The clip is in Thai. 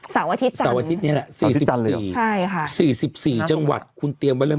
เสาร์อาทิตย์จันทร์เสาร์อาทิตย์นี้ละ๔๔จังหวัดคุณเตรียมไว้แล้ว